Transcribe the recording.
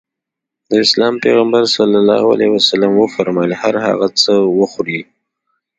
د اسلام پيغمبر ص وفرمايل هر هغه څه وخورې.